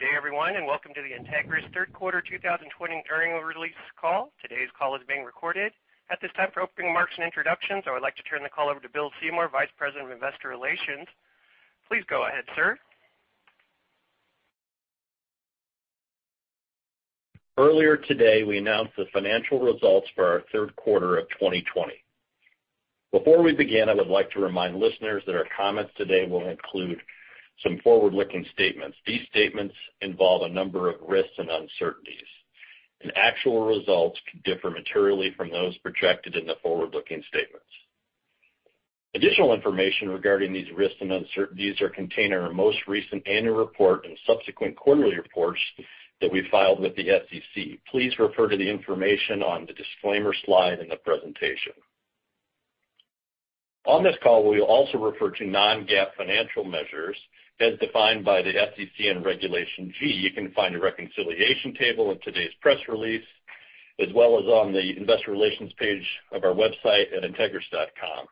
Good day, everyone, and welcome to the Entegris third quarter 2020 earnings release call. Today's call is being recorded. At this time, for opening marks and introductions, I would like to turn the call over to Bill Seymour, Vice President of Investor Relations. Please go ahead, sir. Earlier today, we announced the financial results for our third quarter of 2020. Before we begin, I would like to remind listeners that our comments today will include some forward-looking statements. These statements involve a number of risks and uncertainties. Actual results could differ materially from those projected in the forward-looking statements. Additional information regarding these risks and uncertainties are contained in our most recent annual report and subsequent quarterly reports that we filed with the SEC. Please refer to the information on the disclaimer slide in the presentation. On this call, we will also refer to non-GAAP financial measures as defined by the SEC and Regulation G. You can find a reconciliation table in today's press release, as well as on the investor relations page of our website at entegris.com.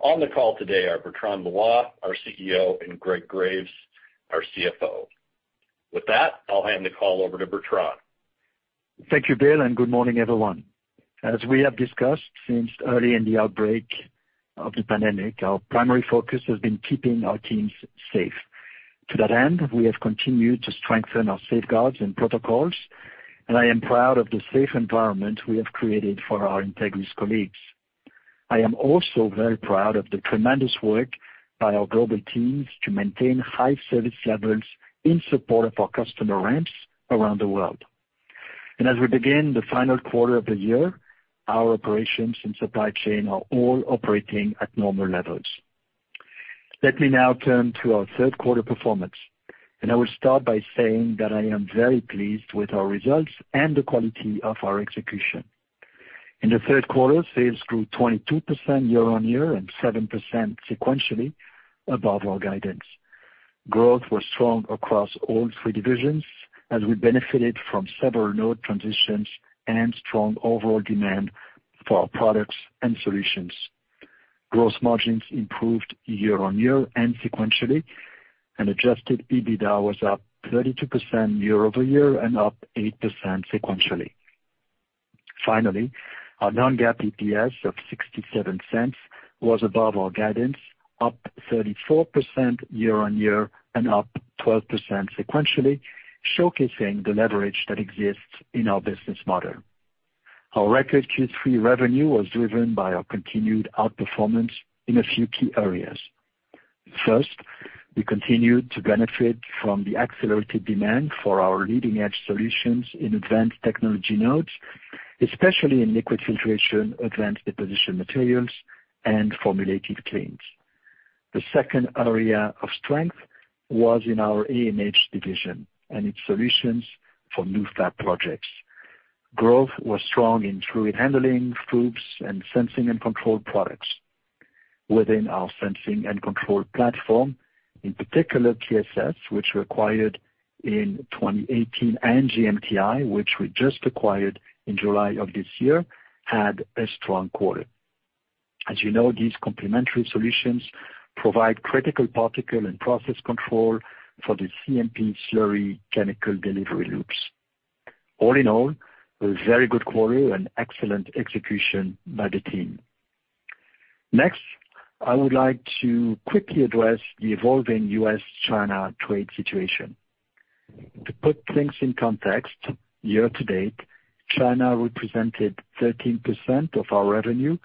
On the call today are Bertrand Loy, our CEO, Greg Graves, our CFO. With that, I'll hand the call over to Bertrand. Thank you, Bill, and good morning, everyone. As we have discussed since early in the outbreak of the pandemic, our primary focus has been keeping our teams safe. To that end, we have continued to strengthen our safeguards and protocols, and I am proud of the safe environment we have created for our Entegris colleagues. I am also very proud of the tremendous work by our global teams to maintain high service levels in support of our customer ramps around the world. As we begin the final quarter of the year, our operations and supply chain are all operating at normal levels. Let me now turn to our third quarter performance. I will start by saying that I am very pleased with our results and the quality of our execution. In the third quarter, sales grew 22% year-on-year and seven percent sequentially above our guidance. Growth was strong across all three divisions as we benefited from several node transitions and strong overall demand for our products and solutions. Adjusted EBITDA was up 32% year-over-year and up eight percent sequentially. Finally, our non-GAAP EPS of $0.67 was above our guidance, up 34% year-on-year and up 12% sequentially, showcasing the leverage that exists in our business model. Our record Q3 revenue was driven by our continued outperformance in a few key areas. First, we continued to benefit from the accelerated demand for our leading-edge solutions in advanced technology nodes, especially in liquid filtration, advanced deposition materials, and formulative cleans. The second area of strength was in our AMH division and its solutions for new fab projects. Growth was strong in fluid handling, groups, and sensing and control products. Within our sensing and control platform, in particular, PSS, which we acquired in 2018, and GMTI, which we just acquired in July of this year, had a strong quarter. As you know, these complementary solutions provide critical particle and process control for the CMP slurry chemical delivery loops. All in all, a very good quarter and excellent execution by the team. Next, I would like to quickly address the evolving U.S.-China trade situation. To put things in context, year-to-date, China represented 13% of our revenue,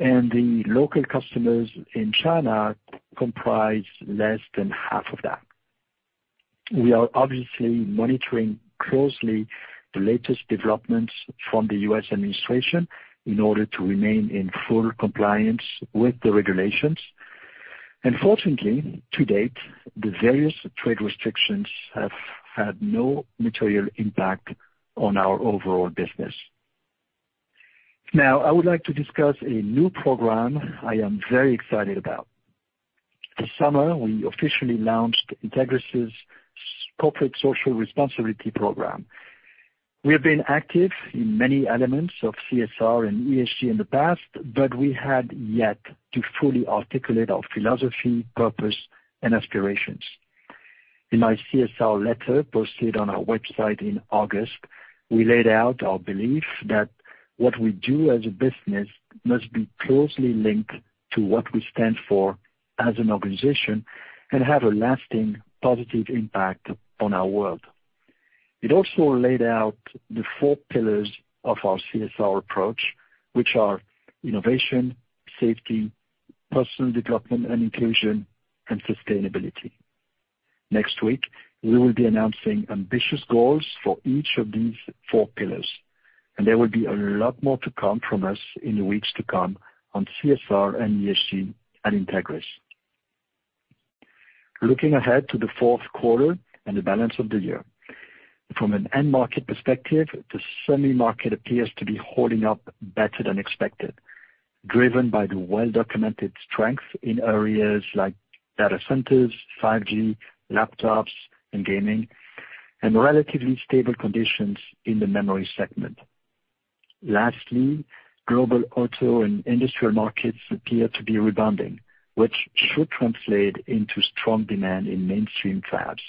and the local customers in China comprise less than half of that. We are obviously monitoring closely the latest developments from the U.S. administration in order to remain in full compliance with the regulations. Fortunately, to date, the various trade restrictions have had no material impact on our overall business. Now, I would like to discuss a new program I am very excited about. This summer, we officially launched Entegris' corporate social responsibility program. We have been active in many elements of CSR and ESG in the past, we had yet to fully articulate our philosophy, purpose, and aspirations. In my CSR letter posted on our website in August, we laid out our belief that what we do as a business must be closely linked to what we stand for as an organization and have a lasting positive impact on our world. It also laid out the four pillars of our CSR approach, which are innovation, safety, personal development and inclusion, and sustainability. Next week, we will be announcing ambitious goals for each of these four pillars, there will be a lot more to come from us in the weeks to come on CSR and ESG at Entegris. Looking ahead to the fourth quarter and the balance of the year. From an end market perspective, the semi market appears to be holding up better than expected, driven by the well-documented strength in areas like data centers, 5G, laptops, and gaming, and relatively stable conditions in the memory segment. Lastly, global auto and industrial markets appear to be rebounding, which should translate into strong demand in mainstream fabs.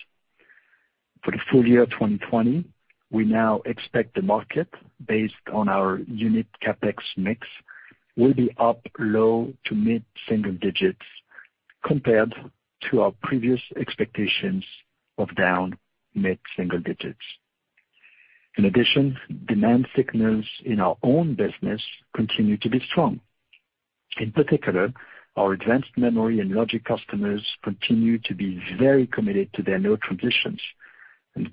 For the full year 2020, we now expect the market, based on our unit CapEx mix, will be up low to mid-single digits compared to our previous expectations of down mid-single digits. In addition, demand signals in our own business continue to be strong. In particular, our advanced memory and logic customers continue to be very committed to their node transitions.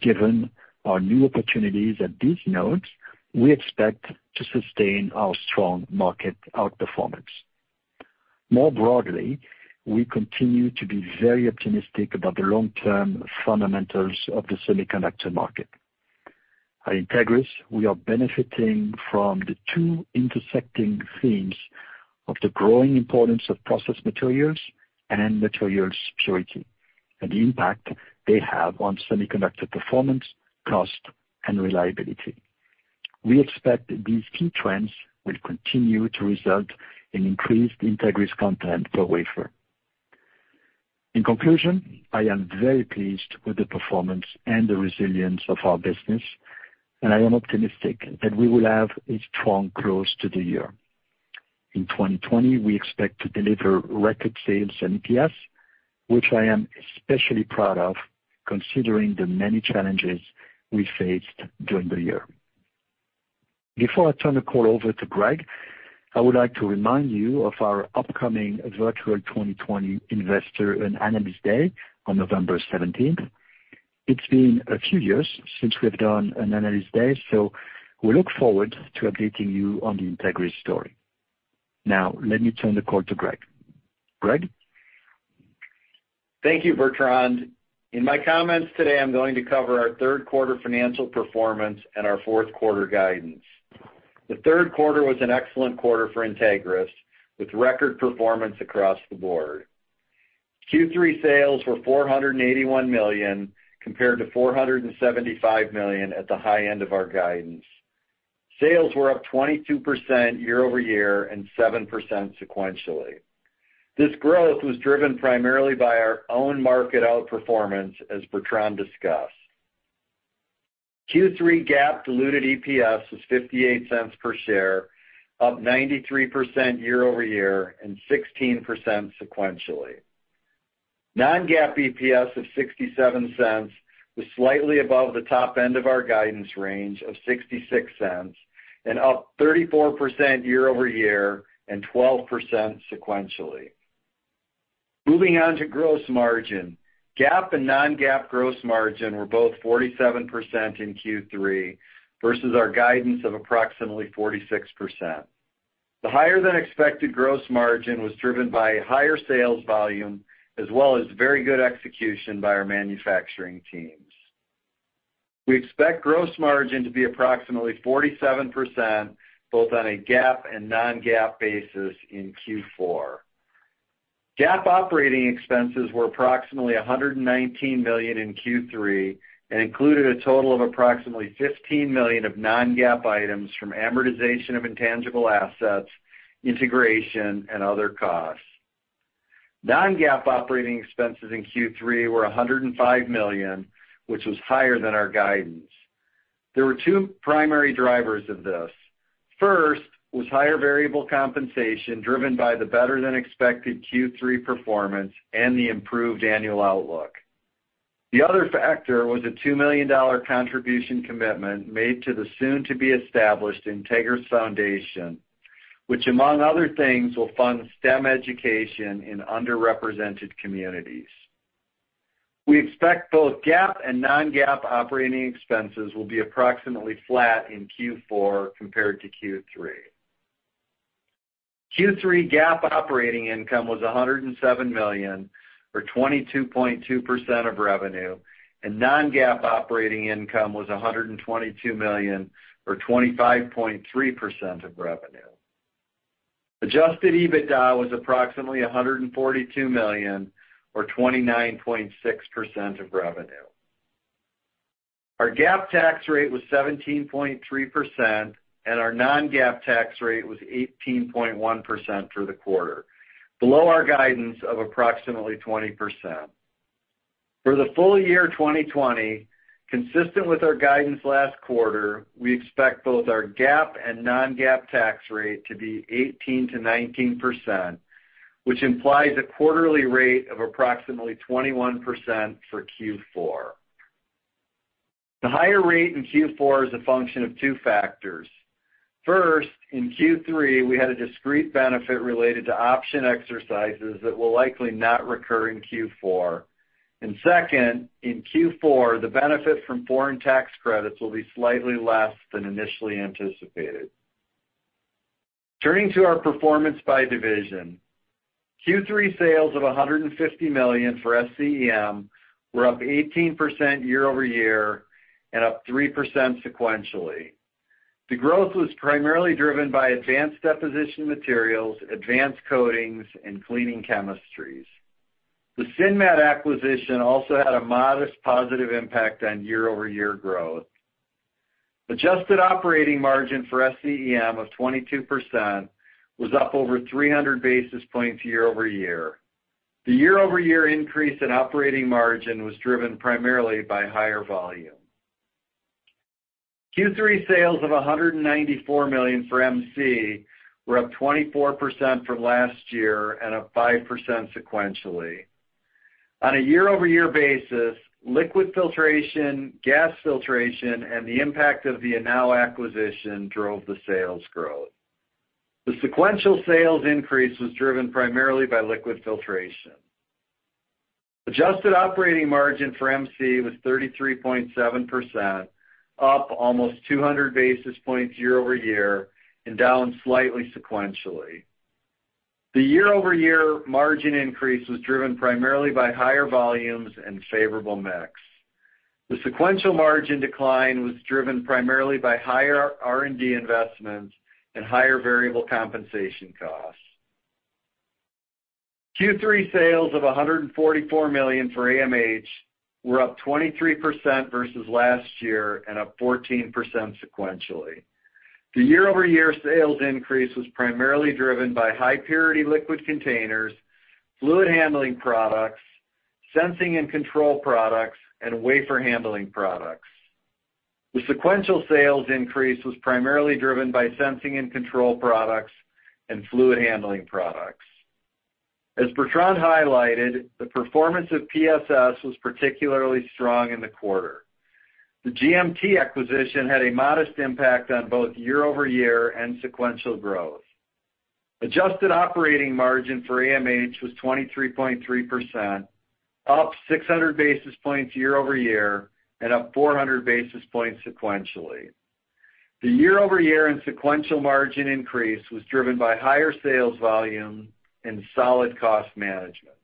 Given our new opportunities at these nodes, we expect to sustain our strong market outperformance. More broadly, we continue to be very optimistic about the long-term fundamentals of the semiconductor market. At Entegris, we are benefiting from the two intersecting themes of the growing importance of process materials and materials purity, and the impact they have on semiconductor performance, cost, and reliability. We expect these key trends will continue to result in increased Entegris content per wafer. In conclusion, I am very pleased with the performance and the resilience of our business, and I am optimistic that we will have a strong close to the year. In 2020, we expect to deliver record sales and EPS, which I am especially proud of, considering the many challenges we faced during the year. Before I turn the call over to Greg, I would like to remind you of our upcoming virtual 2020 Investor and Analyst Day on November 17th. It's been a few years since we've done an Analyst Day, so we look forward to updating you on the Entegris story. Now, let me turn the call to Greg. Greg? Thank you, Bertrand. In my comments today, I am going to cover our third quarter financial performance and our fourth quarter guidance. The third quarter was an excellent quarter for Entegris, with record performance across the board. Q3 sales were $481 million, compared to $475 million at the high end of our guidance. Sales were up 22% year-over-year and seven percent sequentially. This growth was driven primarily by our own market outperformance, as Bertrand discussed. Q3 GAAP diluted EPS was $0.88 per share, up 93% year-over-year and 16% sequentially. Non-GAAP EPS of $0.67 was slightly above the top end of our guidance range of $0.66 and up 34% year-over-year and 12% sequentially. Moving on to gross margin. GAAP and non-GAAP gross margin were both 47% in Q3 versus our guidance of approximately 46%. The higher-than-expected gross margin was driven by higher sales volume as well as very good execution by our manufacturing teams. We expect gross margin to be approximately 47%, both on a GAAP and non-GAAP basis in Q4. GAAP operating expenses were approximately $119 million in Q3 and included a total of approximately $15 million of non-GAAP items from amortization of intangible assets, integration, and other costs. Non-GAAP operating expenses in Q3 were $105 million, which was higher than our guidance. There were two primary drivers of this. First was higher variable compensation, driven by the better-than-expected Q3 performance and the improved annual outlook. The other factor was a $2 million contribution commitment made to the soon-to-be-established Entegris Foundation, which, among other things, will fund STEM education in underrepresented communities. We expect both GAAP and non-GAAP operating expenses will be approximately flat in Q4 compared to Q3. Q3 GAAP operating income was $107 million, or 22.2% of revenue, and non-GAAP operating income was $122 million, or 25.3% of revenue. Adjusted EBITDA was approximately $142 million, or 29.6% of revenue. Our GAAP tax rate was 17.3%, and our non-GAAP tax rate was 18.1% for the quarter, below our guidance of approximately 20%. For the full year 2020, consistent with our guidance last quarter, we expect both our GAAP and non-GAAP tax rate to be 18% to 19%, which implies a quarterly rate of approximately 21% for Q4. The higher rate in Q4 is a function of two factors. First, in Q3, we had a discrete benefit related to option exercises that will likely not recur in Q4. Second, in Q4, the benefit from foreign tax credits will be slightly less than initially anticipated. Turning to our performance by division. Q3 sales of $150 million for SCEM were up 18% year-over-year and up three percent sequentially. The growth was primarily driven by advanced deposition materials, advanced coatings, and cleaning chemistries. The Sinmat acquisition also had a modest positive impact on year-over-year growth. Adjusted operating margin for SCEM of 22% was up over 300 basis points year-over-year. The year-over-year increase in operating margin was driven primarily by higher volume. Q3 sales of $194 million for MC were up 24% from last year and up five percent sequentially. On a year-over-year basis, liquid filtration, gas filtration, and the impact of the Anow acquisition drove the sales growth. The sequential sales increase was driven primarily by liquid filtration. Adjusted operating margin for MC was 33.7%, up almost 200 basis points year-over-year, and down slightly sequentially. The year-over-year margin increase was driven primarily by higher volumes and favorable mix. The sequential margin decline was driven primarily by higher R&D investments and higher variable compensation costs. Q3 sales of $144 million for AMH were up 23% versus last year and up 14% sequentially. The year-over-year sales increase was primarily driven by high purity liquid containers, fluid handling products, sensing and control products, and wafer handling products. The sequential sales increase was primarily driven by sensing and control products and fluid handling products. As Bertrand highlighted, the performance of PSS was particularly strong in the quarter. The GMT acquisition had a modest impact on both year-over-year and sequential growth. Adjusted operating margin for AMH was 23.3%, up 600 basis points year-over-year, and up 400 basis points sequentially. The year-over-year and sequential margin increase was driven by higher sales volume and solid cost management.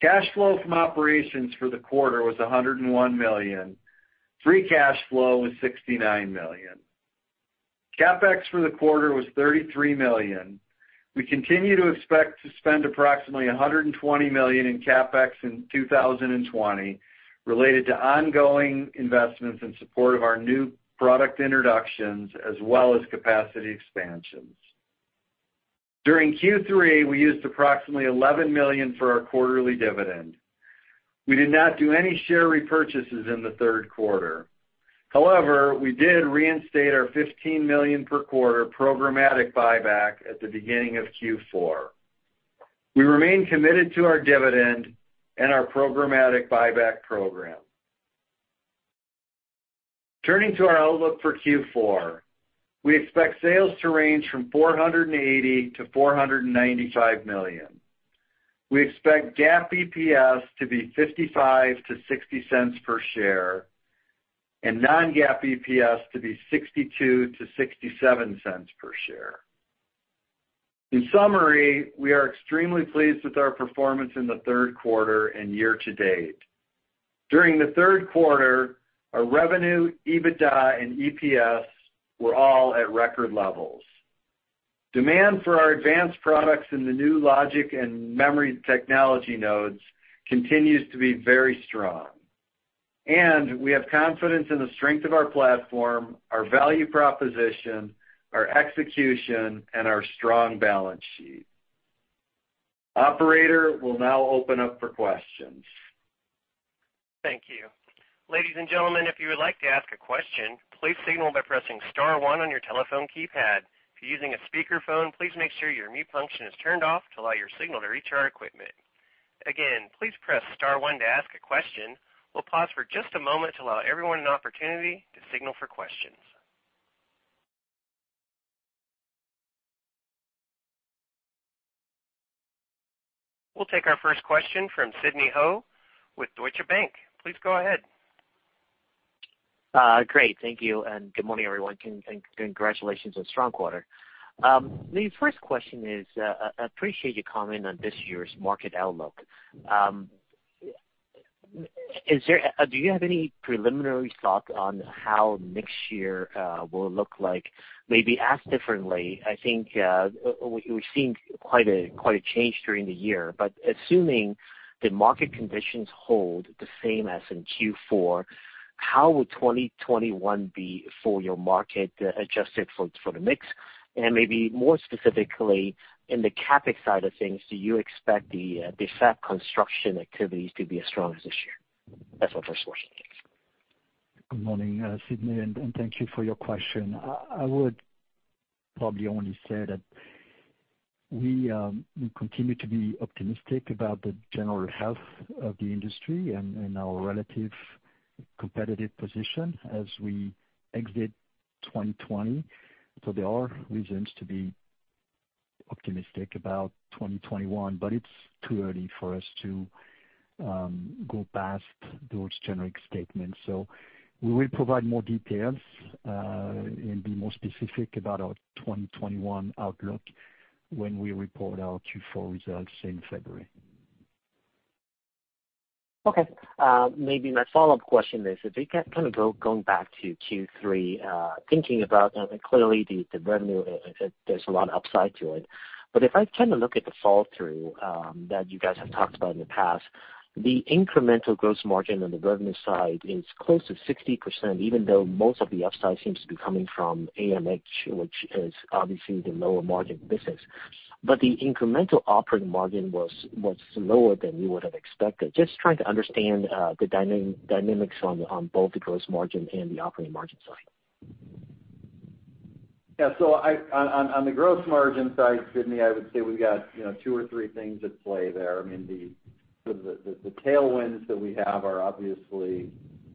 Cash flow from operations for the quarter was $101 million. Free cash flow was $69 million. CapEx for the quarter was $33 million. We continue to expect to spend approximately $120 million in CapEx in 2020 related to ongoing investments in support of our new product introductions as well as capacity expansions. During Q3, we used approximately $11 million for our quarterly dividend. We did not do any share repurchases in the third quarter. We did reinstate our $15 million per quarter programmatic buyback at the beginning of Q4. We remain committed to our dividend and our programmatic buyback program. Turning to our outlook for Q4, we expect sales to range from $480 million-$495 million. We expect GAAP EPS to be $0.55-$0.60 per share and non-GAAP EPS to be $0.62-$0.67 per share. We are extremely pleased with our performance in the third quarter and year to date. During the third quarter, our revenue, EBITDA, and EPS were all at record levels. Demand for our advanced products in the new logic and memory technology nodes continues to be very strong, and we have confidence in the strength of our platform, our value proposition, our execution, and our strong balance sheet. Operator, we'll now open up for questions. Thank you. Ladies and gentlemen, if you would like to ask a question, please signal by pressing star one on your telephone keypad. If you're using a speakerphone, please make sure your mute function is turned off to allow your signal to reach our equipment. Again, please press star one to ask a question. We'll pause for just a moment to allow everyone an opportunity to signal for questions. We'll take our first question from Sidney Ho with Deutsche Bank. Please go ahead. Great. Thank you, and good morning, everyone, and congratulations on a strong quarter. The first question is, I appreciate your comment on this year's market outlook. Do you have any preliminary thought on how next year will look like? Maybe asked differently, I think we've seen quite a change during the year, but assuming the market conditions hold the same as in Q4, how will 2021 be for your market adjusted for the mix? Maybe more specifically, in the CapEx side of things, do you expect the fab construction activities to be as strong as this year? That's my first question. Good morning, Sidney, thank you for your question. I would probably only say that we continue to be optimistic about the general health of the industry and our relative competitive position as we exit 2020. There are reasons to be optimistic about 2021, but it's too early for us to go past those generic statements. We will provide more details and be more specific about our 2021 outlook when we report our Q4 results in February. Okay. Maybe my follow-up question is, if we kept going back to Q3, thinking about, clearly the revenue, there's a lot of upside to it. If I look at the fall through that you guys have talked about in the past, the incremental gross margin on the revenue side is close to 60%, even though most of the upside seems to be coming from AMH, which is obviously the lower margin business. The incremental operating margin was lower than you would have expected. Just trying to understand the dynamics on both the gross margin and the operating margin side. On the gross margin side, Sidney, I would say we've got two or three things at play there. The tailwinds that we have are obviously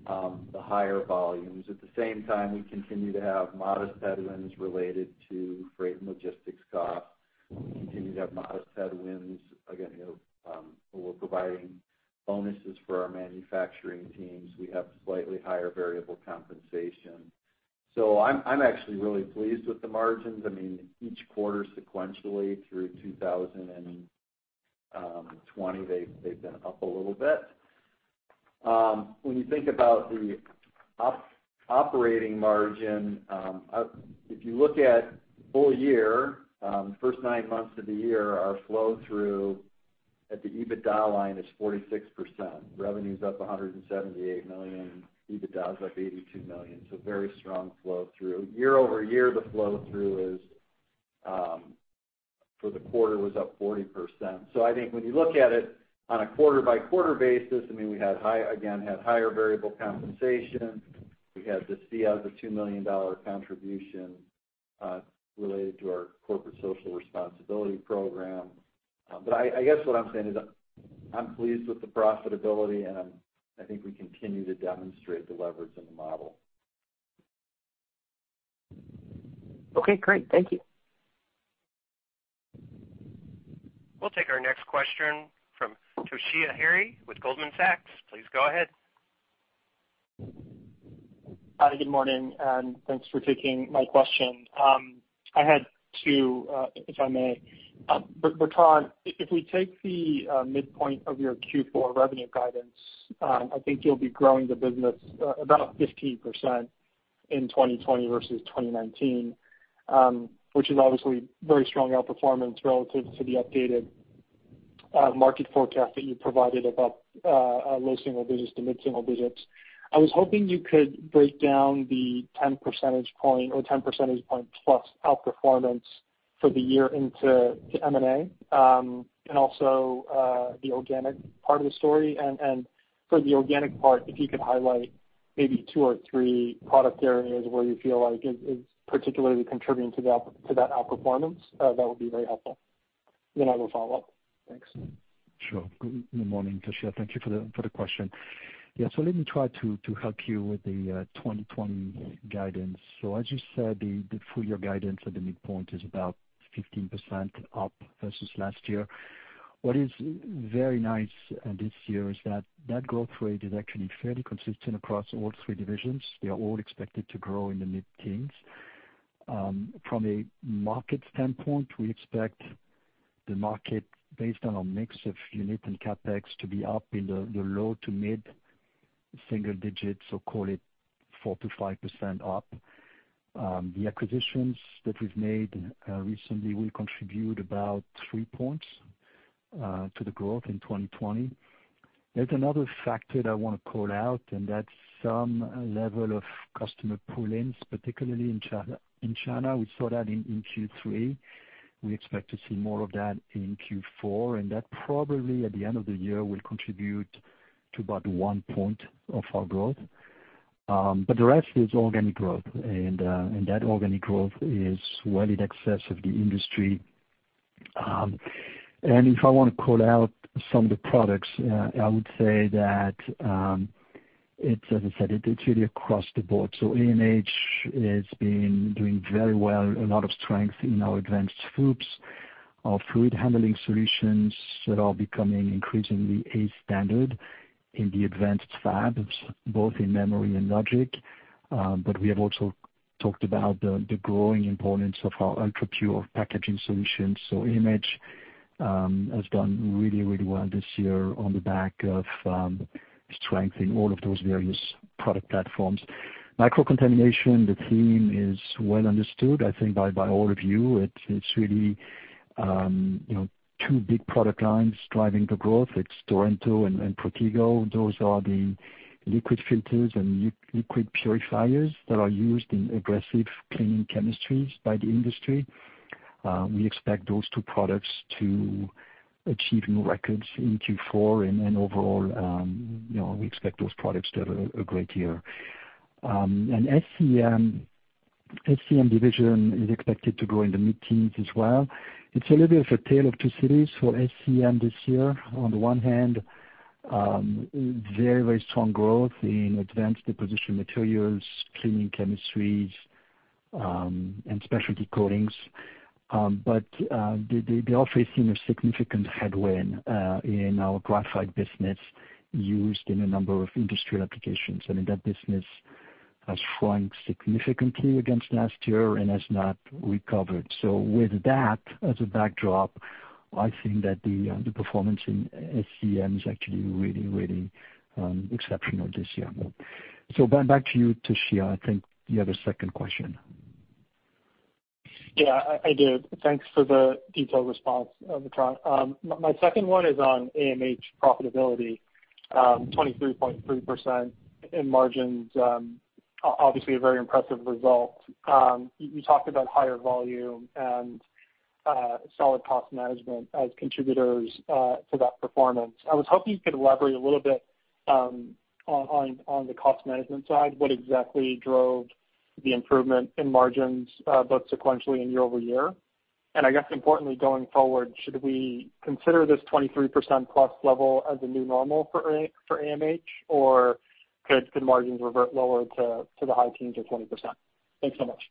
the higher volumes. At the same time, we continue to have modest headwinds related to freight and logistics costs. We continue to have modest headwinds. Again, we're providing bonuses for our manufacturing teams. We have slightly higher variable compensation. I'm actually really pleased with the margins. Each quarter sequentially through 2020, they've been up a little bit. When you think about the operating margin, if you look at full year, first nine months of the year, our flow through at the EBITDA line is 46%. Revenue's up $178 million, EBITDA is up $82 million. Very strong flow through. Year-over-year, the flow through for the quarter was up 40%. I think when you look at it on a quarter-by-quarter basis, we, again, had higher variable compensation. We had the SEF, the $2 million contribution related to our corporate social responsibility program. I guess what I'm saying is I'm pleased with the profitability, and I think we continue to demonstrate the leverage in the model. Okay, great. Thank you. We'll take our next question from Toshiya Hari with Goldman Sachs. Please go ahead. Hi, good morning, and thanks for taking my question. I had two, if I may. Bertrand, if we take the midpoint of your Q4 revenue guidance, I think you'll be growing the business about 15% in 2020 versus 2019, which is obviously very strong outperformance relative to the updated market forecast that you provided about low single digits to mid single digits. I was hoping you could break down the 10 percentage point or 10 percentage point plus outperformance for the year into M&A, and also the organic part of the story. And for the organic part, if you could highlight maybe two or three product areas where you feel like it is particularly contributing to that outperformance, that would be very helpful. I will follow up. Thanks. Sure. Good morning, Toshiya. Thank you for the question. Yeah. Let me try to help you with the 2020 guidance. As you said, the full year guidance at the midpoint is about 15% up versus last year. What is very nice this year is that that growth rate is actually fairly consistent across all three divisions. They are all expected to grow in the mid-teens. From a market standpoint, we expect the market, based on our mix of unit and CapEx, to be up in the low to mid single digits, call it four to five percent up. The acquisitions that we've made recently will contribute about three points to the growth in 2020. There's another factor that I want to call out, that's some level of customer pull-ins, particularly in China. We saw that in Q3. We expect to see more of that in Q4, and that probably at the end of the year, will contribute to about one point of our growth. The rest is organic growth, and that organic growth is well in excess of the industry. If I want to call out some of the products, I would say that, as I said, it's really across the board. AMH has been doing very well, a lot of strength in our advanced FOUPs, our fluid handling solutions that are becoming increasingly a standard in the advanced fabs, both in memory and logic. We have also talked about the growing importance of our UltraPure packaging solutions. AMH has done really well this year on the back of strength in all of those various product platforms. Microcontamination, the theme is well understood, I think by all of you. It's really two big product lines driving the growth. It's Torrento and Protego. Those are the liquid filters and liquid purifiers that are used in aggressive cleaning chemistries by the industry. We expect those two products to achieve new records in Q4 and overall, we expect those products to have a great year. SCEM division is expected to grow in the mid-teens as well. It's a little bit of a tale of two cities for SCEM this year. On the one hand, very strong growth in advanced deposition materials, cleaning chemistries, and specialty coatings. They're also facing a significant headwind in our graphite business used in a number of industrial applications. In that business has fallen significantly against last year and has not recovered. With that as a backdrop, I think that the performance in SCEM is actually really exceptional this year. Back to you, Toshiya. I think you had a second question. Yeah, I did. Thanks for the detailed response, Bertrand. My second one is on AMH profitability, 23.3% in margins, obviously a very impressive result. You talked about higher volume and solid cost management as contributors to that performance. I was hoping you could elaborate a little bit on the cost management side. What exactly drove the improvement in margins both sequentially and year-over-year? I guess importantly going forward, should we consider this 23% plus level as a new normal for AMH, or could margins revert lower to the high teens or 20%? Thanks so much.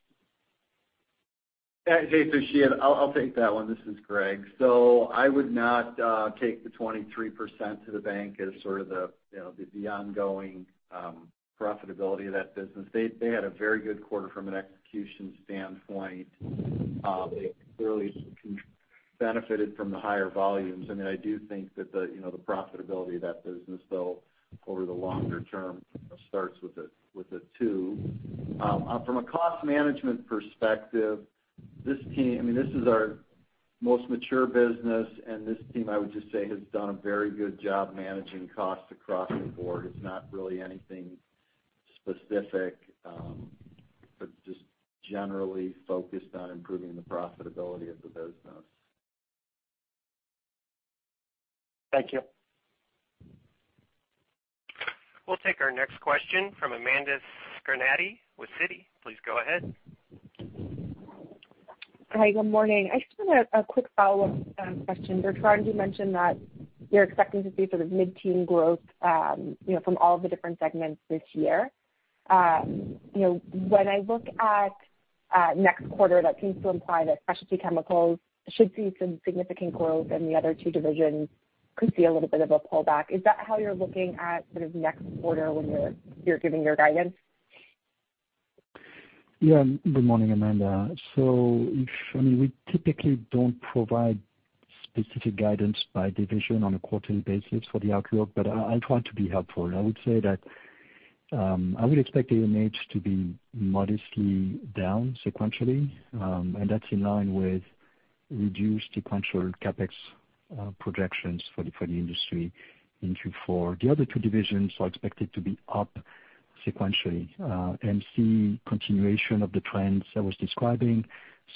Toshiya. I'll take that one. This is Greg. I would not take the 23% to the bank as sort of the ongoing profitability of that business. They had a very good quarter from an execution standpoint. They clearly benefited from the higher volumes. I do think that the profitability of that business, though, over the longer term, starts with a two. From a cost management perspective, this is our most mature business, and this team, I would just say, has done a very good job managing costs across the board. It's not really anything specific, but just generally focused on improving the profitability of the business. Thank you. We'll take our next question from Amanda Scarnati with Citi. Please go ahead. Hi, good morning. I just want a quick follow-up question. Bertrand, you mentioned that you're expecting to see sort of mid-teen growth from all the different segments this year. When I look at next quarter, that seems to imply that Specialty Chemicals should see some significant growth and the other two divisions could see a little bit of a pullback. Is that how you're looking at sort of next quarter when you're giving your guidance? Good morning, Amanda. We typically don't provide specific guidance by division on a quarterly basis for the outlook, but I'll try to be helpful. I would say that I would expect AMH to be modestly down sequentially, and that's in line with reduced sequential CapEx projections for the industry in Q4. The other two divisions are expected to be up sequentially and see continuation of the trends I was describing,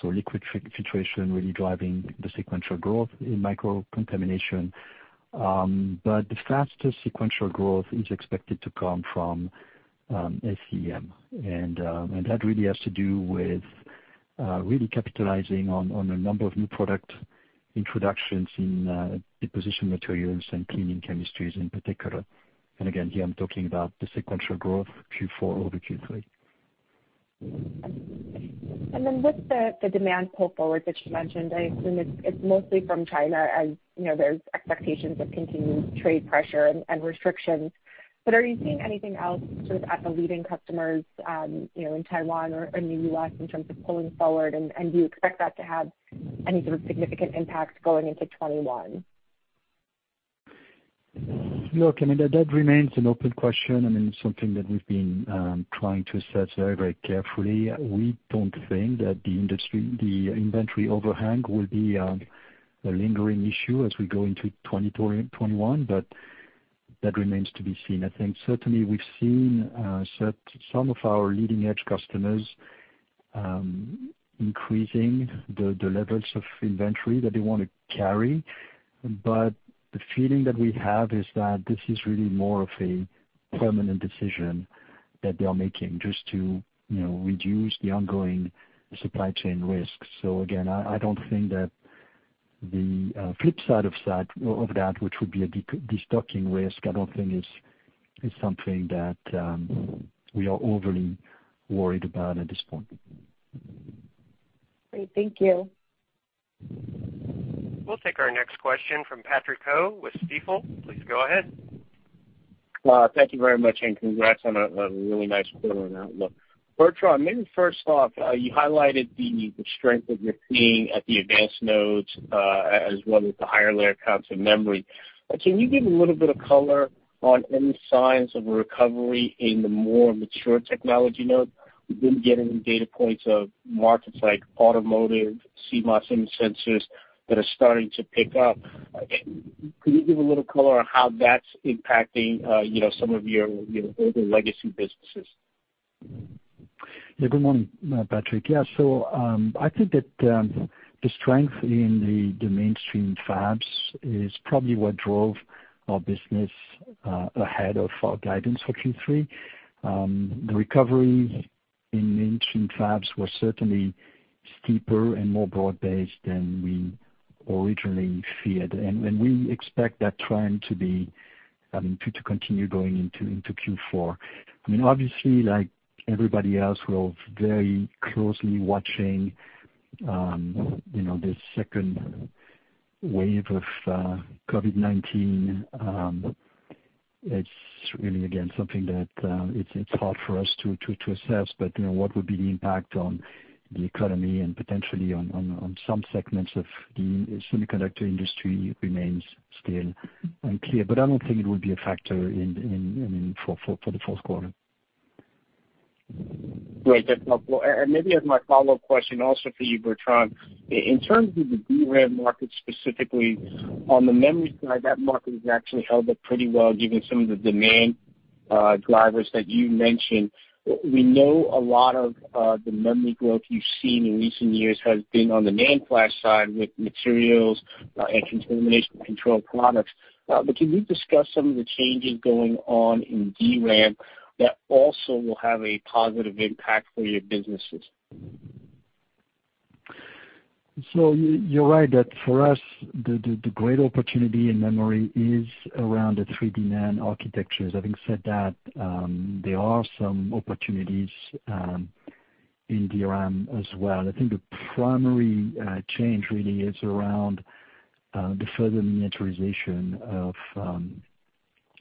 so liquid filtration really driving the sequential growth in Microcontamination Control. The fastest sequential growth is expected to come from SCEM, and that really has to do with really capitalizing on a number of new product introductions in deposition materials and cleaning chemistries in particular. Again, here I'm talking about the sequential growth Q4 over Q3. With the demand pull forward that you mentioned, I assume it's mostly from China, as there's expectations of continued trade pressure and restrictions. But are you seeing anything else sort of at the leading customers in Taiwan or in the U.S. in terms of pulling forward, and do you expect that to have any sort of significant impact going into 2021? Look, Amanda, that remains an open question. It's something that we've been trying to assess very carefully. We don't think that the inventory overhang will be a lingering issue as we go into 2021, but that remains to be seen. I think certainly we've seen some of our leading-edge customers increasing the levels of inventory that they want to carry. The feeling that we have is that this is really more of a permanent decision that they are making just to reduce the ongoing supply chain risk. Again, I don't think that the flip side of that, which would be a de-stocking risk, I don't think is something that we are overly worried about at this point. Great. Thank you. We'll take our next question from Patrick Ho with Stifel. Please go ahead. Thank you very much, and congrats on a really nice quarter and outlook. Bertrand, maybe first off, you highlighted the strength that you're seeing at the advanced nodes, as well as the higher layer counts in memory. Can you give a little bit of color on any signs of a recovery in the more mature technology nodes? We've been getting data points of markets like automotive, CMOS, and sensors that are starting to pick up. Could you give a little color on how that's impacting some of your older legacy businesses? Yeah. Good morning, Patrick. Yeah. I think that the strength in the mainstream fabs is probably what drove our business ahead of our guidance for Q3. The recovery in mainstream fabs was certainly steeper and more broad-based than we originally feared, and we expect that trend to continue going into Q4. Obviously, like everybody else, we are very closely watching this second wave of COVID-19, it's really, again, something that it's hard for us to assess. What would be the impact on the economy and potentially on some segments of the semiconductor industry remains still unclear. I don't think it would be a factor for the fourth quarter. Great. That's helpful. Maybe as my follow-up question also for you, Bertrand, in terms of the DRAM market, specifically on the memory side, that market has actually held up pretty well given some of the demand drivers that you mentioned. We know a lot of the memory growth you've seen in recent years has been on the NAND flash side with materials and contamination control products. Can you discuss some of the changes going on in DRAM that also will have a positive impact for your businesses? You're right that for us, the great opportunity in memory is around the 3D NAND architectures. Having said that, there are some opportunities in DRAM as well. I think the primary change really is around the further miniaturization of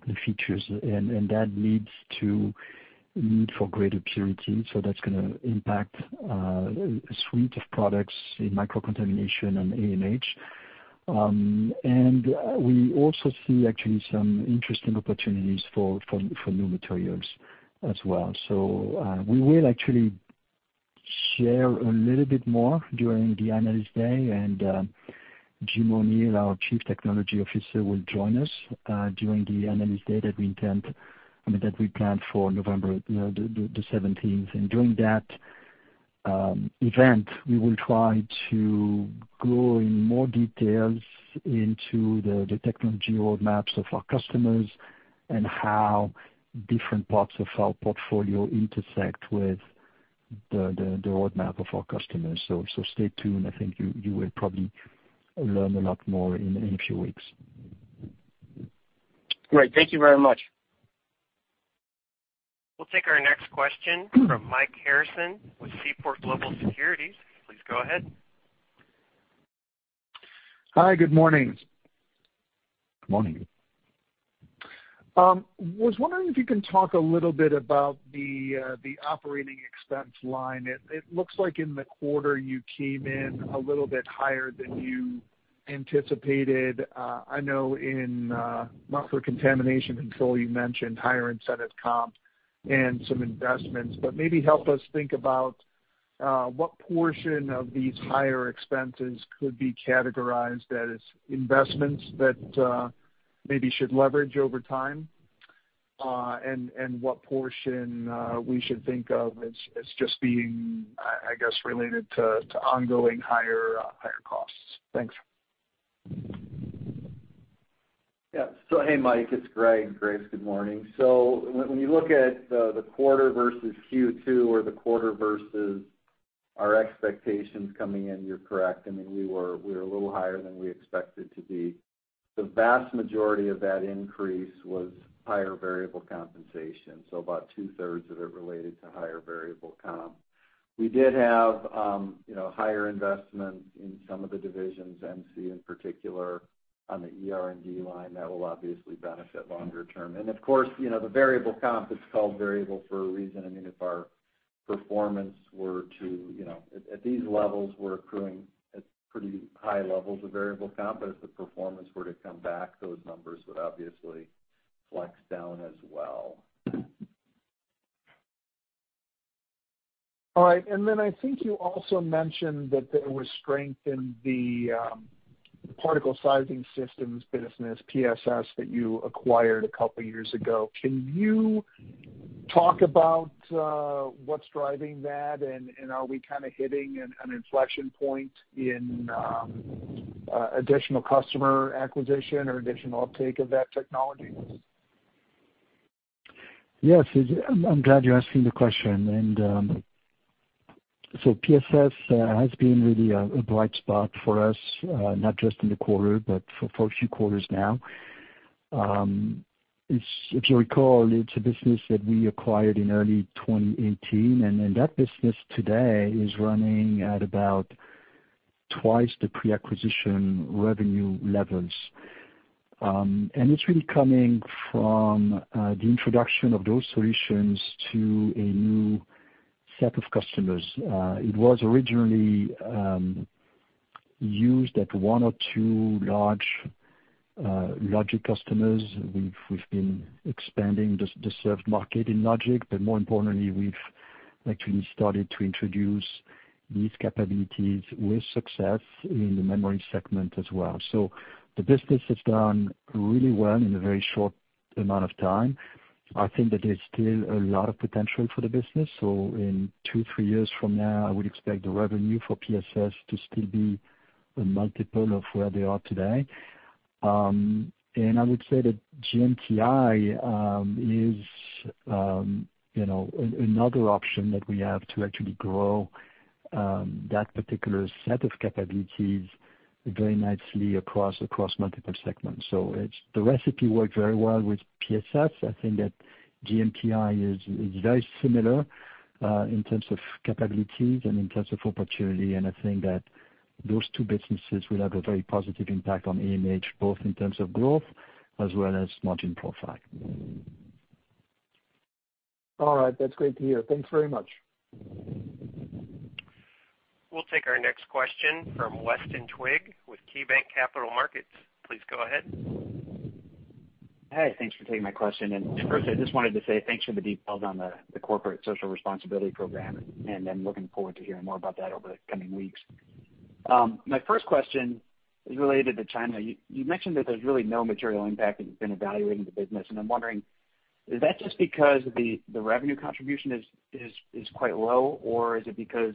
the features, and that leads to a need for greater purity. That's going to impact a suite of products in microcontamination and AMH. We also see actually some interesting opportunities for new materials as well. We will actually share a little bit more during the Analyst Day, and Jim O'Neill, our Chief Technology Officer, will join us during the Analyst Day that we planned for November the 17th. During that event, we will try to go in more details into the technology roadmaps of our customers and how different parts of our portfolio intersect with the roadmap of our customers. Stay tuned. I think you will probably learn a lot more in a few weeks. Great. Thank you very much. We'll take our next question from Mike Harrison with Seaport Global Securities. Please go ahead. Hi. Good morning. Good morning. was wondering if you can talk a little bit about the OpEx line. It looks like in the quarter you came in a little bit higher than you anticipated. I know in microcontamination control, you mentioned higher incentive comp and some investments, but maybe help us think about what portion of these higher expenses could be categorized as investments that maybe should leverage over time. What portion we should think of as just being, I guess, related to ongoing higher costs. Thanks. Yeah. Hey, Mike, it's Greg. Greg, good morning. When you look at the quarter versus Q2 or the quarter versus our expectations coming in, you're correct. We were a little higher than we expected to be. The vast majority of that increase was higher variable compensation, so about two-thirds of it related to higher variable comp. We did have higher investment in some of the divisions, MC in particular, on the R&D line. That will obviously benefit longer term. Of course, the variable comp is called variable for a reason. At these levels, we're accruing at pretty high levels of variable comp. As the performance were to come back, those numbers would obviously flex down as well. All right. I think you also mentioned that there was strength in the Particle Sizing Systems business, PSS, that you acquired a couple of years ago. Can you talk about what's driving that? Are we kind of hitting an inflection point in additional customer acquisition or additional uptake of that technology? Yes. I'm glad you're asking the question. PSS has been really a bright spot for us, not just in the quarter, but for a few quarters now. If you recall, it's a business that we acquired in early 2018, that business today is running at about twice the pre-acquisition revenue levels. It's really coming from the introduction of those solutions to a new set of customers. It was originally used at one or two large logic customers. We've been expanding the served market in logic, more importantly, we've actually started to introduce these capabilities with success in the memory segment as well. The business has done really well in a very short amount of time. I think that there's still a lot of potential for the business. In two, three years from now, I would expect the revenue for PSS to still be a multiple of where they are today. I would say that GMTI is another option that we have to actually grow that particular set of capabilities very nicely across multiple segments. The recipe worked very well with PSS. I think that GMTI is very similar, in terms of capabilities and in terms of opportunity. I think that those two businesses will have a very positive impact on AMH, both in terms of growth as well as margin profile. All right. That's great to hear. Thanks very much. We'll take our next question from Weston Twigg with KeyBanc Capital Markets. Please go ahead. Hey, thanks for taking my question. First, I just wanted to say thanks for the details on the corporate social responsibility program, and I'm looking forward to hearing more about that over the coming weeks. My first question is related to China. You mentioned that there's really no material impact as you've been evaluating the business, and I'm wondering, is that just because the revenue contribution is quite low, or is it because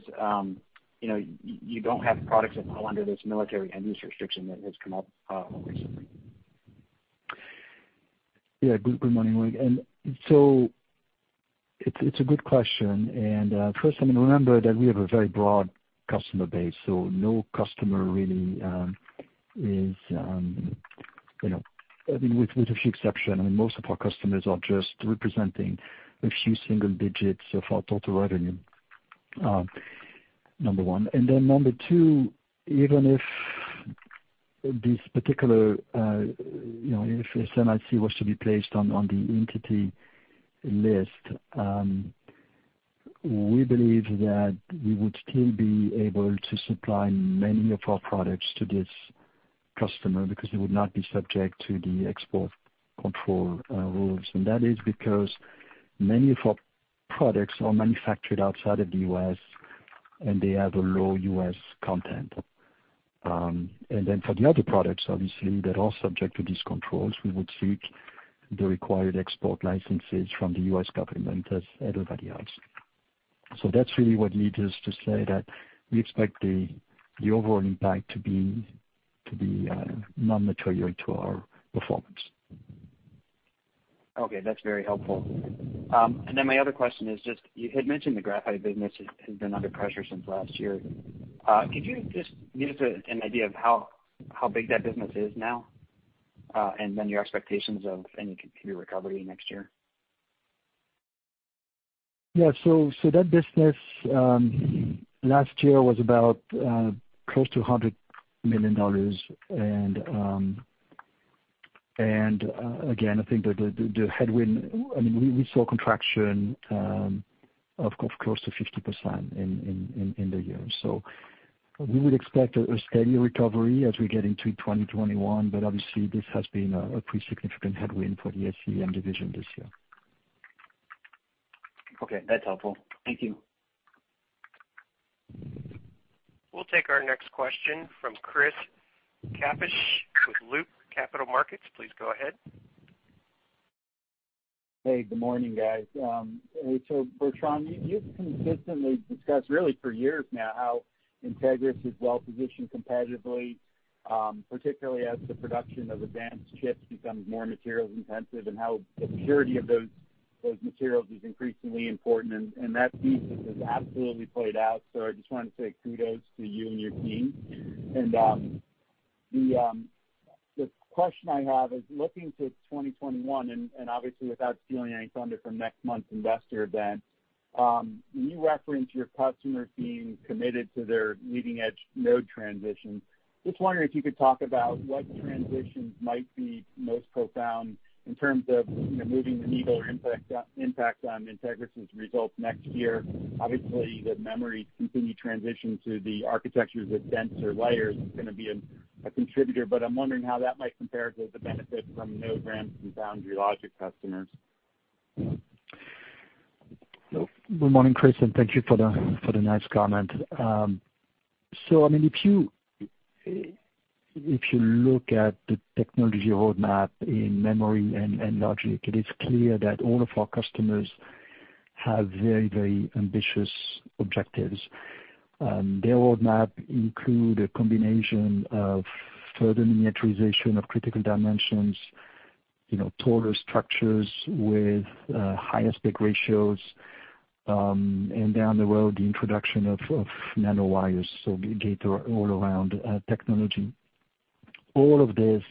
you don't have products that fall under this military end-use restriction that has come up more recently? Good morning, Weston. It's a good question. First, remember that we have a very broad customer base, so no customer really is, with a few exceptions. Most of our customers are just representing a few single digits of our total revenue, number one. Number two, even if this particular SMIC was to be placed on the entity list, we believe that we would still be able to supply many of our products to this customer because they would not be subject to the export control rules. That is because many of our products are manufactured outside of the U.S., and they have a low U.S. content. For the other products, obviously, that are subject to these controls, we would seek the required export licenses from the U.S. government as everybody else. That's really what leads us to say that we expect the overall impact to be non-material to our performance. Okay, that's very helpful. My other question is you had mentioned the graphite business has been under pressure since last year. Could you give us an idea of how big that business is now? Your expectations of any CapEx recovery next year. Yeah. That business, last year, was about close to $100 million. Again, I think the headwind, I mean, we saw contraction of close to 50% in the year. We would expect a steady recovery as we get into 2021. Obviously, this has been a pretty significant headwind for the SCEM division this year. Okay, that's helpful. Thank you. We'll take our next question from Chris Kapsch with Loop Capital Markets. Please go ahead. Hey, good morning, guys. Bertrand, you've consistently discussed really for years now how Entegris is well-positioned competitively, particularly as the production of advanced chips becomes more materials intensive and how the purity of those materials is increasingly important. That thesis has absolutely played out. I just wanted to say kudos to you and your team. The question I have is looking to 2021, and obviously without stealing any thunder from next month's investor event. When you reference your customers being committed to their leading-edge node transition, just wondering if you could talk about what transitions might be most profound in terms of moving the needle or impact on Entegris' results next year. Obviously, the memory continued transition to the architectures with denser layers is going to be a contributor, but I'm wondering how that might compare to the benefit from node ramps and foundry logic customers. Good morning, Chris. Thank you for the nice comment. I mean, if you look at the technology roadmap in memory and logic, it is clear that all of our customers have very ambitious objectives. Their roadmap include a combination of further miniaturization of critical dimensions, taller structures with high aspect ratios, and down the road, the introduction of nanowires. Gate-all-around technology. All of this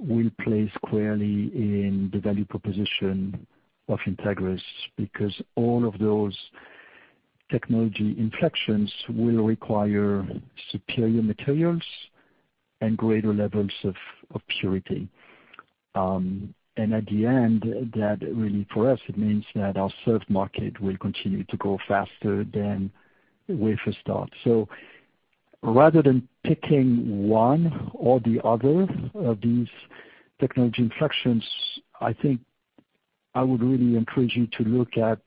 will play squarely in the value proposition of Entegris because all of those technology inflections will require superior materials and greater levels of purity. At the end, that really for us, it means that our served market will continue to grow faster than wafer start. Rather than picking one or the other of these technology inflections, I think I would really encourage you to look at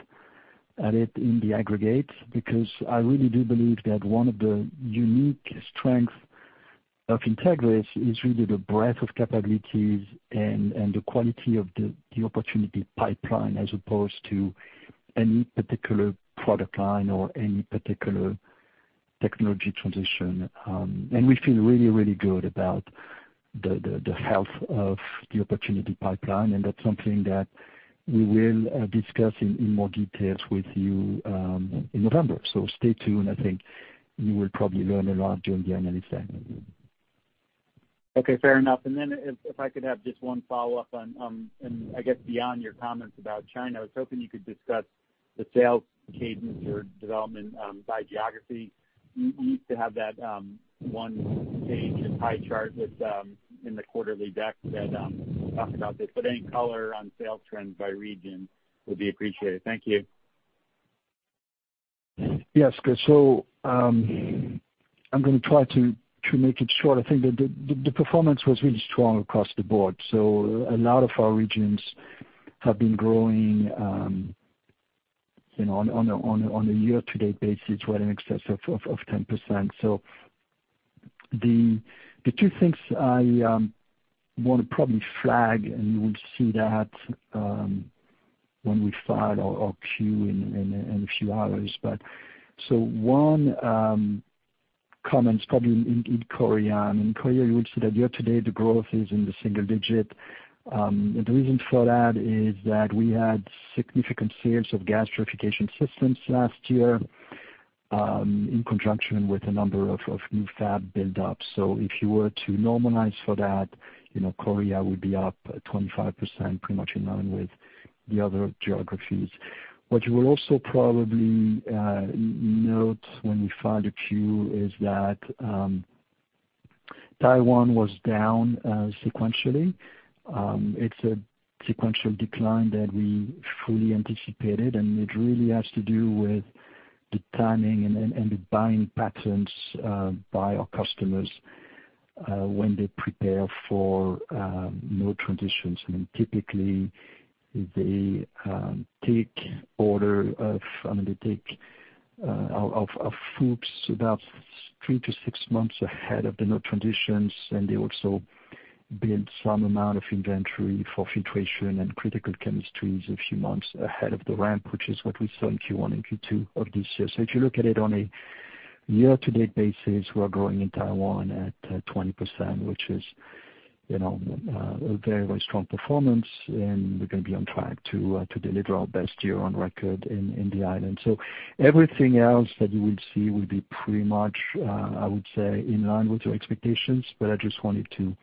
it in the aggregate, because I really do believe that one of the unique strengths of Entegris is really the breadth of capabilities and the quality of the opportunity pipeline, as opposed to any particular product line or any particular technology transition. We feel really good about the health of the opportunity pipeline, and that's something that we will discuss in more details with you in November. Stay tuned. I think you will probably learn a lot during the analyst day. Okay, fair enough. Then if I could have just one follow-up on, and I guess beyond your comments about China, I was hoping you could discuss the sales cadence or development by geography. You used to have that one page, that pie chart in the quarterly deck that talked about this, but any color on sales trends by region would be appreciated. Thank you. Yes. I'm going to try to make it short. I think the performance was really strong across the board. A lot of our regions have been growing on a year-to-date basis well in excess of 10%. The two things I want to probably flag, and you will see that when we file our Q in a few hours. One comment's probably in Korea. I mean, Korea, you will see that year-to-date the growth is in the single digit. The reason for that is that we had significant sales of gas purification systems last year, in conjunction with a number of new fab buildups. If you were to normalize for that, Korea would be up 25%, pretty much in line with the other geographies. What you will also probably note when we file the Q is that Taiwan was down sequentially. It really has to do with the timing and the buying patterns by our customers when they prepare for node transitions. I mean, typically they take of FOUPs about three to six months ahead of the node transitions. They also build some amount of inventory for filtration and critical chemistries a few months ahead of the ramp, which is what we saw in Q1 and Q2 of this year. If you look at it on a year-to-date basis, we are growing in Taiwan at 20%, which is a very strong performance, and we're going to be on track to deliver our best year on record in the island. Everything else that you will see will be pretty much, I would say, in line with your expectations. I just wanted to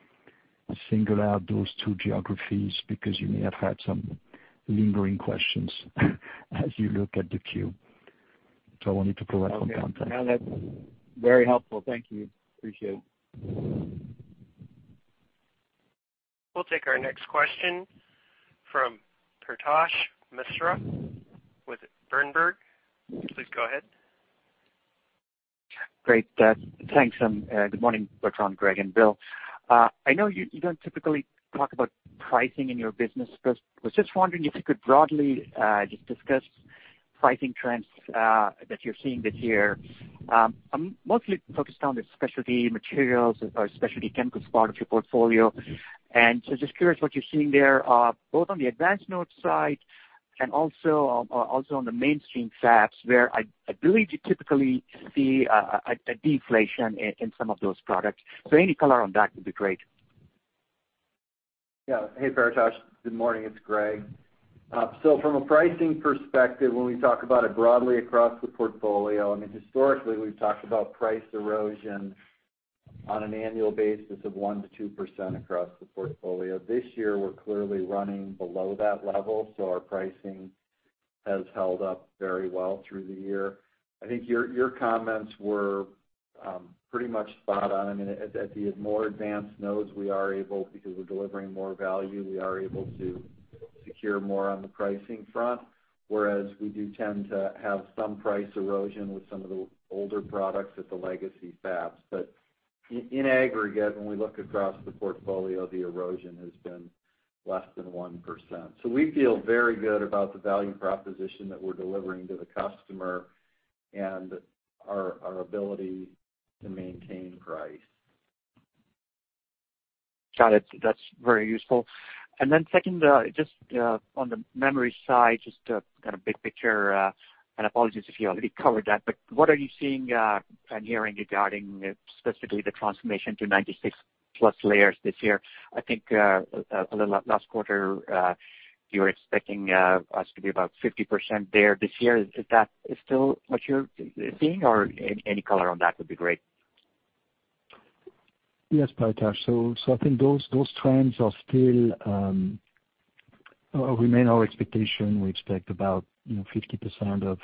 single out those two geographies because you may have had some lingering questions as you look at the Q. I wanted to go back on that. No, that's very helpful. Thank you. Appreciate it. We'll take our next question from Paretosh Misra with Berenberg. Please go ahead. Great. Thanks, and good morning, Bertrand, Greg, and Bill. I know you don't typically talk about pricing in your business. I was just wondering if you could broadly just discuss pricing trends that you're seeing this year. I'm mostly focused on the specialty materials or specialty chemicals part of your portfolio. Just curious what you're seeing there, both on the advanced node side and also on the mainstream fabs where I believe you typically see a deflation in some of those products. Any color on that would be great. Yeah. Hey, Paretosh. Good morning. It's Greg. From a pricing perspective, when we talk about it broadly across the portfolio, I mean, historically, we've talked about price erosion on an annual basis of one to two percent across the portfolio. This year, we're clearly running below that level, our pricing has held up very well through the year. I think your comments were pretty much spot on. I mean, at the more advanced nodes, we are able, because we're delivering more value, we are able to secure more on the pricing front, whereas we do tend to have some price erosion with some of the older products at the legacy fabs. In aggregate, when we look across the portfolio, the erosion has been less than one percent. We feel very good about the value proposition that we're delivering to the customer and our ability to maintain price. Got it. That's very useful. Then second, just on the memory side, just kind of big picture, and apologies if you already covered that, but what are you seeing and hearing regarding specifically the transformation to 96 plus layers this year? I think last quarter, you were expecting us to be about 50% there this year. Is that still what you're seeing or any color on that would be great. Yes, Paretosh. I think those trends still remain our expectation. We expect about 50% of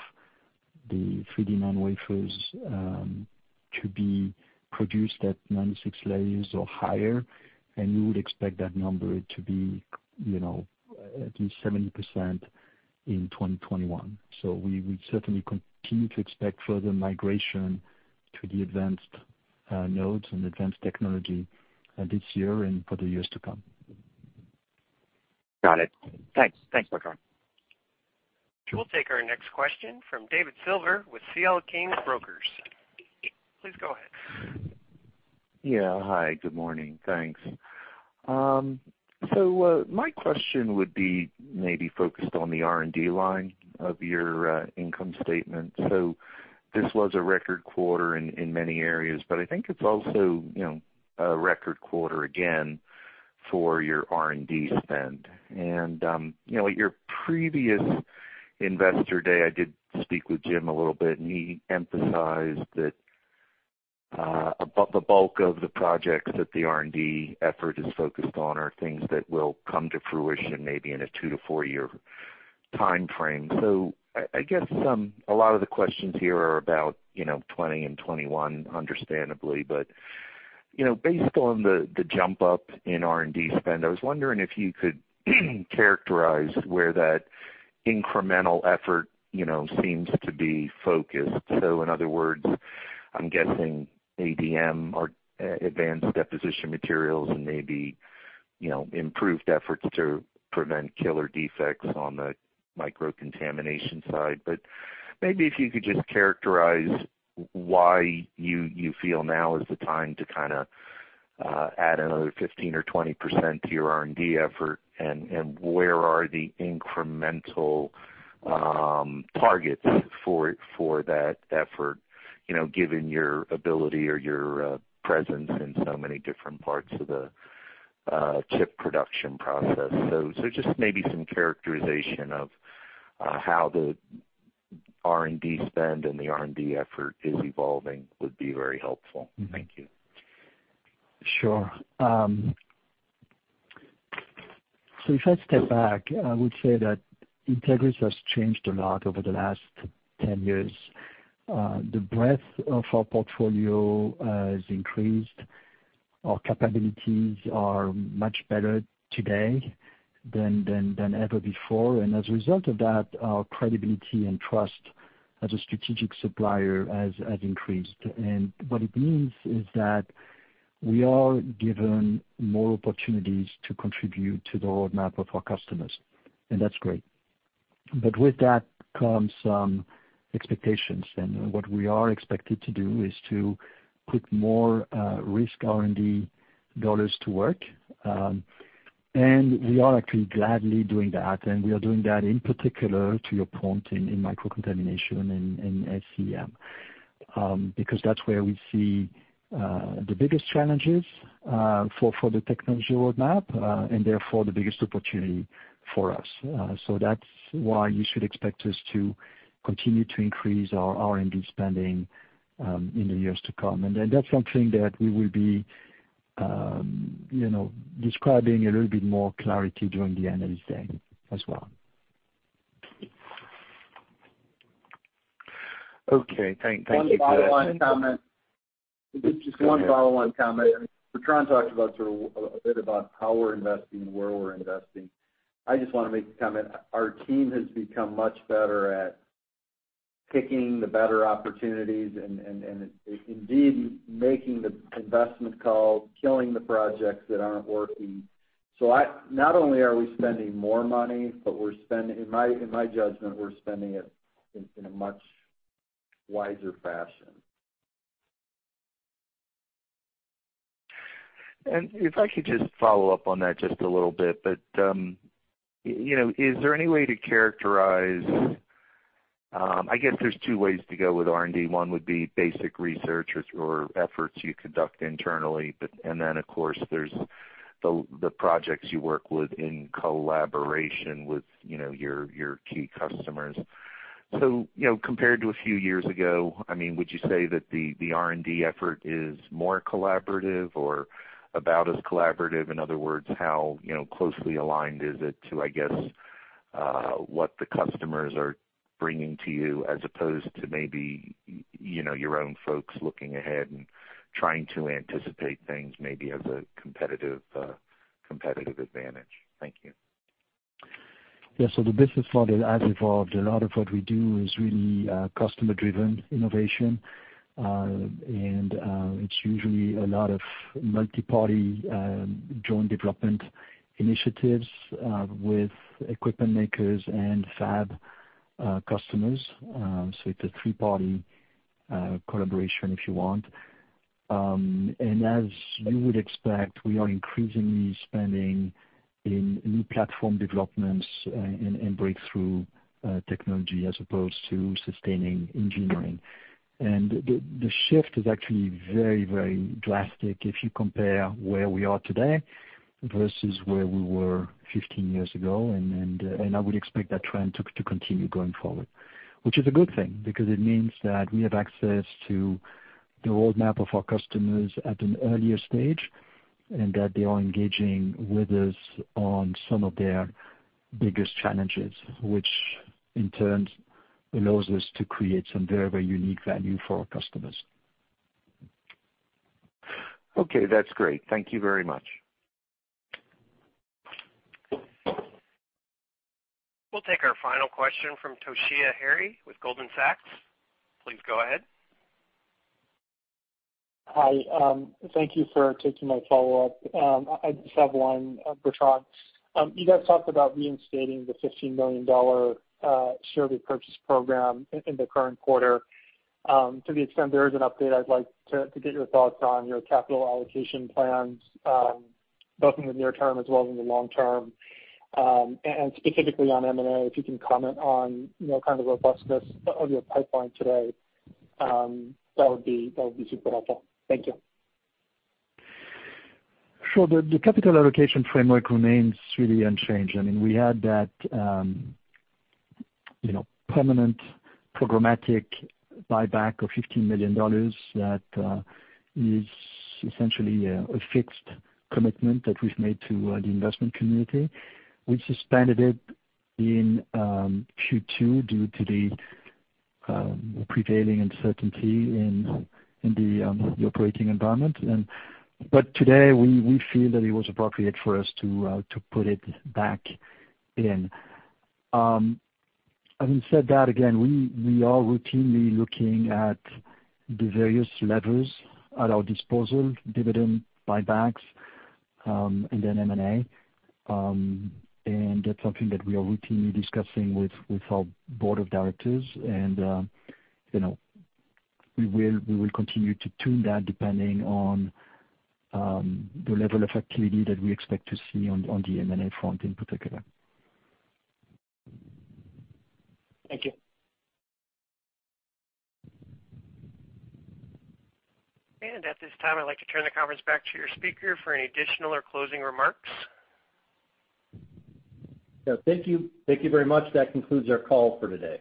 the 3D NAND wafers to be produced at 96 layers or higher, and we would expect that number to be at least 70% in 2021. We would certainly continue to expect further migration to the advanced nodes and advanced technology this year and for the years to come. Got it. Thanks. Thanks, Bertrand. We'll take our next question from David Silver with C.L. King & Associates. Please go ahead. Yeah. Hi, good morning. Thanks. My question would be maybe focused on the R&D line of your income statement. This was a record quarter in many areas, but I think it's also a record quarter again for your R&D spend. At your previous Investor Day, I did speak with Jim a little bit, and he emphasized that the bulk of the projects that the R&D effort is focused on are things that will come to fruition maybe in a two to four-year timeframe. I guess, a lot of the questions here are about 2020 and 2021, understandably. Based on the jump up in R&D spend, I was wondering if you could characterize where that incremental effort seems to be focused. In other words, I'm guessing ADM or advanced deposition materials and maybe improved efforts to prevent killer defects on the microcontamination side. Maybe if you could just characterize why you feel now is the time to add another 15% or 20% to your R&D effort, and where are the incremental targets for that effort, given your ability or your presence in so many different parts of the chip production process. Just maybe some characterization of how the R&D spend and the R&D effort is evolving would be very helpful. Thank you. Sure. If I step back, I would say that Entegris has changed a lot over the last 10 years. The breadth of our portfolio has increased. Our capabilities are much better today than ever before. As a result of that, our credibility and trust as a strategic supplier has increased. What it means is that we are given more opportunities to contribute to the roadmap of our customers, and that's great. With that comes some expectations. What we are expected to do is to put more risk R&D dollars to work. We are actually gladly doing that, and we are doing that in particular to your point in microcontamination and SCEM, because that's where we see the biggest challenges for the technology roadmap, and therefore the biggest opportunity for us. That's why you should expect us to continue to increase our R&D spending in the years to come. That's something that we will be describing a little bit more clarity during the Analyst Day as well. Okay. Thank you for that. One follow-on comment. Just one follow-on comment. I mean, Bertrand talked about sort of a bit about how we're investing and where we're investing. I just want to make a comment. Our team has become much better at picking the better opportunities and indeed making the investment calls, killing the projects that aren't working. Not only are we spending more money, but in my judgment, we're spending it in a much wiser fashion. If I could just follow up on that just a little bit. Is there any way to characterize, I guess there's two ways to go with R&D. One would be basic research or efforts you conduct internally, and then of course there's the projects you work with in collaboration with your key customers. Compared to a few years ago, would you say that the R&D effort is more collaborative or about as collaborative? In other words, how closely aligned is it to, I guess, what the customers are bringing to you as opposed to maybe your own folks looking ahead and trying to anticipate things maybe as a competitive advantage? Thank you. Yeah, the business model has evolved. A lot of what we do is really customer-driven innovation, and it's usually a lot of multi-party joint development initiatives with equipment makers and fab customers. It's a three-party collaboration if you want. As you would expect, we are increasingly spending in new platform developments and breakthrough technology as opposed to sustaining engineering. The shift is actually very drastic if you compare where we are today versus where we were 15 years ago. I would expect that trend to continue going forward. Which is a good thing because it means that we have access to the roadmap of our customers at an earlier stage, and that they are engaging with us on some of their biggest challenges, which in turn allows us to create some very unique value for our customers. Okay, that's great. Thank you very much. We'll take our final question from Toshiya Hari with Goldman Sachs. Please go ahead. Hi. Thank you for taking my follow-up. I just have one, Bertrand. You guys talked about reinstating the $15 million share repurchase program in the current quarter. To the extent there is an update, I'd like to get your thoughts on your capital allocation plans, both in the near term as well as in the long term. Specifically on M&A, if you can comment on kind of the robustness of your pipeline today, that would be super helpful. Thank you. Sure. The capital allocation framework remains really unchanged. I mean, we had that permanent programmatic buyback of $15 million that is essentially a fixed commitment that we've made to the investment community. We suspended it in Q2 due to the prevailing uncertainty in the operating environment. Today, we feel that it was appropriate for us to put it back in. Having said that, again, we are routinely looking at the various levers at our disposal, dividend buybacks, and then M&A. That's something that we are routinely discussing with our board of directors, and we will continue to tune that depending on the level of activity that we expect to see on the M&A front in particular. Thank you. At this time, I'd like to turn the conference back to your speaker for any additional or closing remarks. Yeah, thank you. Thank you very much. That concludes our call for today.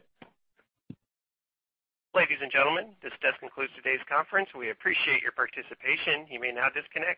Ladies and gentlemen, this does conclude today's conference. We appreciate your participation. You may now disconnect.